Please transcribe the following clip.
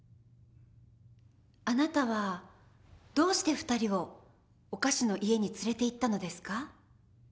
あなたはどうして２人をお菓子の家に連れていったのですか？